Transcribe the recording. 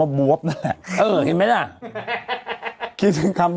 แต่อาจจะส่งมาแต่อาจจะส่งมา